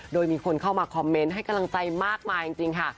โดยมีคนเข้ามาคอมเมนต์ให้กำลังใจมากมายจริงค่ะ